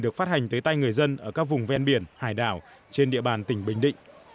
được phát hành tới tay người dân ở các vùng ven biển hải đảo trên địa bàn tỉnh bình định